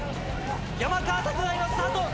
山川拓馬、今スタート！